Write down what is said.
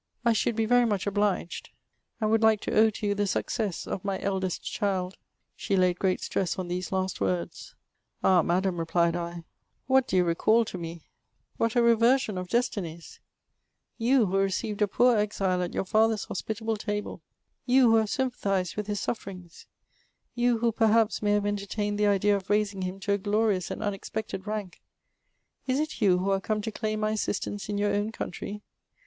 I should be very much obliged, and would like to owe to you the success of my eldest child." She Isud great stress on these last words. " Ah ! Madam," replied I, " what do you recal to me ! What a reversion of destinies ! You, who received a poor exile at your father's hospitable table; you, who have sym CHATEAUBRIAND. 395 pathised with his sufferings ; you, who perhaps may have en tertained the idea of raising Mm to a glorious and imezpected rank — is it you who are come to claim my assistance in your own country